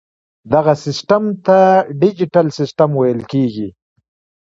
دغه سیسټم ته ډیجیټل سیسټم ویل کیږي.